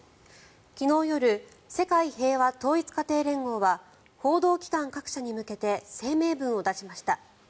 昨日夜世界平和統一家庭連合は報道機関各社に向けて声明文を出しました。